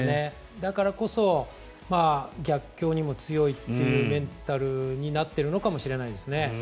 だからこそ逆境にも強いというメンタルになってるのかもしれないですね。